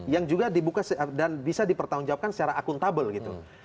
yang juga dibuka dan bisa dipertanggungjawabkan secara akuntabel gitu